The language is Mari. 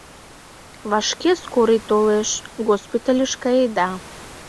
— Вашке «скорый» толеш, госпитальыш каеда.